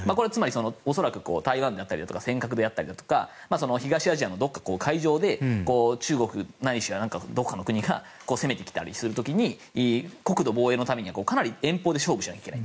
恐らく台湾だったり尖閣であったりだとか東アジアのどこかの海上で中国ないしはどこかの国が攻めてきたりする時に国土防衛のためにかなり遠方で勝負しなければいけない。